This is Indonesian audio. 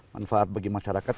manfaat bagi masyarakat